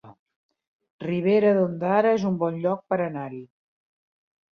Ribera d'Ondara es un bon lloc per anar-hi